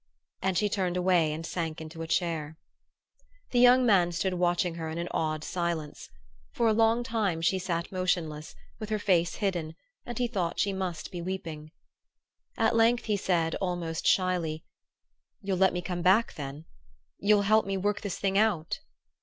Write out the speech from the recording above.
And she turned away and sank into a chair. The young man stood watching her in an awed silence. For a long time she sat motionless, with her face hidden, and he thought she must be weeping. At length he said, almost shyly: "You'll let me come back, then? You'll help me work this thing out?"